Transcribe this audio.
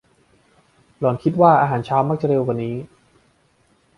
หล่อนคิดว่าอาหารเช้ามักจะเร็วกว่านี้